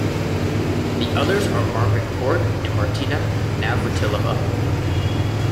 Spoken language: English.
The others are Margaret Court and Martina Navratilova.